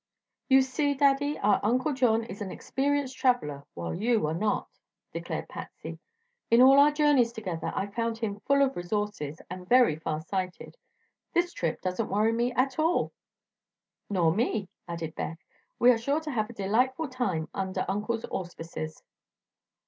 "You see, Daddy, our Uncle John is an experienced traveler, while you are not," declared Patsy. "In all our journeys together I've found him full of resources and very farsighted. This trip doesn't worry me at all." "Nor me," added Beth. "We are sure to have a delightful time under Uncle's auspices."